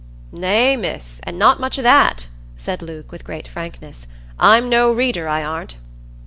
"Nay, Miss, an' not much o' that," said Luke, with great frankness. "I'm no reader, I aren't."